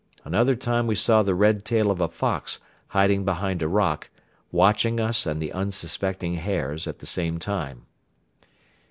Another time we saw the red tail of a fox hiding behind a rock, watching us and the unsuspecting hares at the same time.